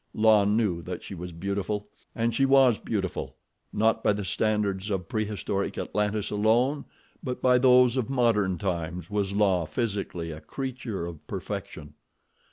La knew that she was beautiful—and she was beautiful, not by the standards of prehistoric Atlantis alone, but by those of modern times was La physically a creature of perfection.